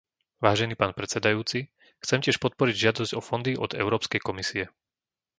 Vážený pán predsedajúci, chcem tiež podporiť žiadosť o fondy od Európskej komisie.